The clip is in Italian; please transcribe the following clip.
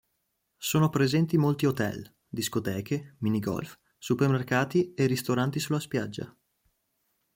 Sono presenti molti hotel, discoteche, minigolf, supermercati e ristoranti sulla spiaggia.